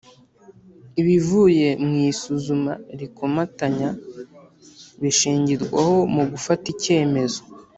ibivuye mu isuzuma rikomatanya bishingirwaho mu gufata ikemezo